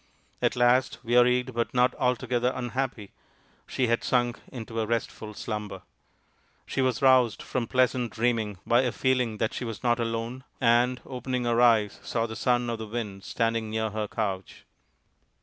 At last, wearied but not altogether un happy, she had sunk into a restful slumber. She was roused from pleasant dreaming by a feeling that she was not alone, and, opening her eyes, saw the Son of the Wind standing near her couch.